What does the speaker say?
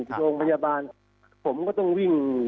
โรงพยาบาลผมก็ต้องวิ่ง